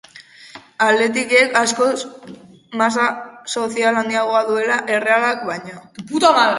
Athleticek askoz masa sozial handiagoa duela Errealak baino.